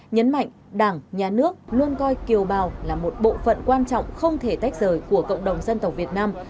nhấn mạnh đảng nhà nước luôn coi kiều bào là một bộ phận quan trọng không thể tách rời của cộng đồng dân tộc việt nam